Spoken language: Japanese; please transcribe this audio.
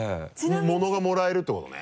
ものがもらえるってことね？